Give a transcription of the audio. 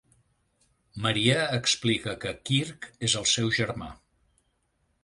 Maria explica que Kirk és el seu germà.